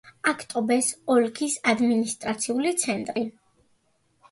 აქტობეს ოლქის ადმინისტრაციული ცენტრი.